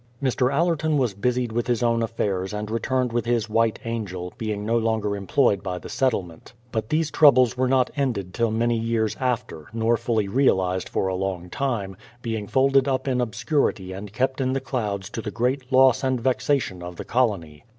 Mr. Allerton was busied with his own affairs and re turned with his White Angel, being no longer employed by the settlement. But these troubles were not ended till many years after, nor fully realized for a long time, being folded up in obscurity and kept in tlie clouds to the great loss and vexation of the colony.